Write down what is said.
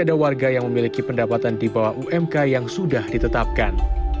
ada warga yang memiliki pendapatan di bawah umk yang sudah ditetapkan